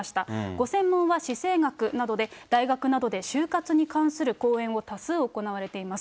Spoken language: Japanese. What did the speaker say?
ご専門は死生学などで、大学などで終活に関する講演を多数行われています。